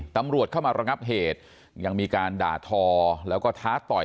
ตำรวจเข้ามาระงับเหตุยังมีการด่าทอ